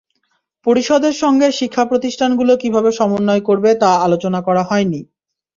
পরিষদের সঙ্গে শিক্ষা প্রতিষ্ঠানগুলো কীভাবে সমন্বয় করবে তাও আলোচনা করা হয়নি।